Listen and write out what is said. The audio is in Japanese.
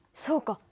そうか。